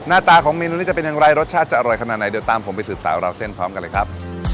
หน้าตาของเมนูนี้จะเป็นอย่างไรรสชาติจะอร่อยขนาดไหนเดี๋ยวตามผมไปสืบสาวราวเส้นพร้อมกันเลยครับ